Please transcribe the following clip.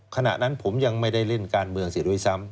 ขณะนั้นผมยังไม่ได้เล่นการเมืองเสียด้วยซ้ำ